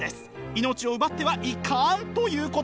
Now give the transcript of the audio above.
命を奪ってはいかんということ！